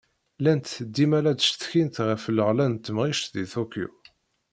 Llant dima la d-ttcetkint ɣef leɣla n temεict di Tokyo.